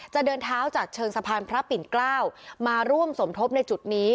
เดินเท้าจากเชิงสะพานพระปิ่นเกล้ามาร่วมสมทบในจุดนี้